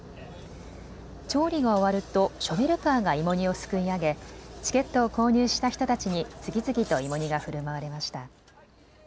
調理が終わるとショベルカーが芋煮をすくい上げチケットを購入した人たちに次々と芋煮がふるまわれました。